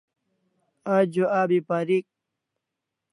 Ajo abi parik